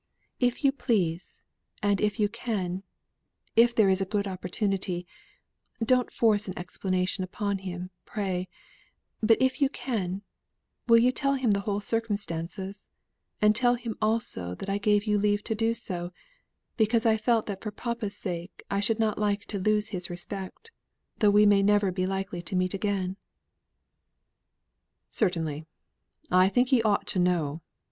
If you please, and if you can, if there is a good opportunity, (don't force an explanation upon him, pray,) but if you can, will you tell him the whole circumstances, and tell him also that I gave you leave to do so, because I felt that for poor papa's sake I should not like to lose his respect, though we may never be likely to meet again?" "Certainly. I think he ought to know.